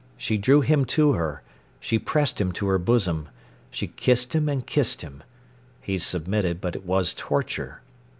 She drew him to her; she pressed him to her bosom; she kissed him and kissed him. He submitted, but it was torture.